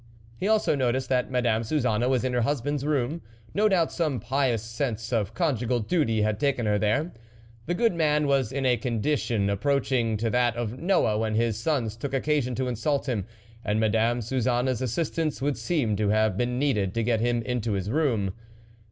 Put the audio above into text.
He also noticed that Madame Suzanne was in her husband's room ; no doubt some pious sense of conjugal duty had taken her there. The good man was in a condition approaching to that of Noah when his sons took occasion to insult him, and Madame Suzanne's assistance would seem to have been needed to get him into his room.